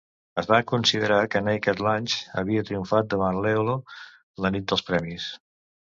Es va considerar que Naked Lunch havia triomfat davant Leolo la nit dels premis.